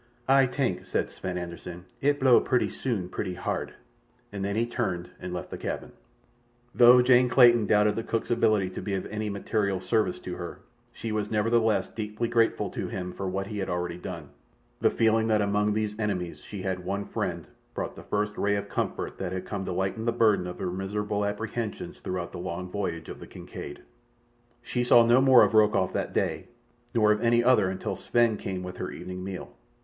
"Ay tank," said Sven Anderssen, "it blow purty soon purty hard," and then he turned and left the cabin. Though Jane Clayton doubted the cook's ability to be of any material service to her, she was nevertheless deeply grateful to him for what he already had done. The feeling that among these enemies she had one friend brought the first ray of comfort that had come to lighten the burden of her miserable apprehensions throughout the long voyage of the Kincaid. She saw no more of Rokoff that day, nor of any other until Sven came with her evening meal.